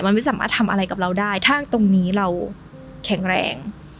มันไม่สามารถทำอะไรกับเราได้ถ้าตรงนี้เราแข็งแรง